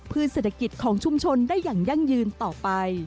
เศรษฐกิจของชุมชนได้อย่างยั่งยืนต่อไป